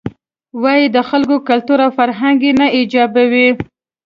وایې د خلکو کلتور او فرهنګ یې نه ایجابوي.